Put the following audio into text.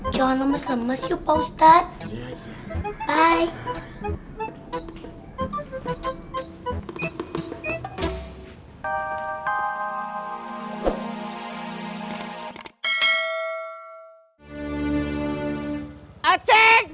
jangan lemes lemes yuk pak ustadz